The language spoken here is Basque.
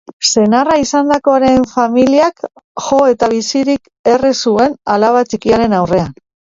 Senarra izandakoaren familiak jo eta bizirik erre zuen alaba txikiaren aurrean.